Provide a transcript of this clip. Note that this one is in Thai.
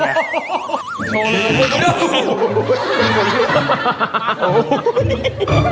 โธ่ลง